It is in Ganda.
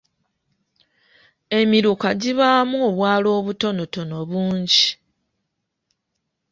Emiruka gibaamu obwalo obutonotono bungi.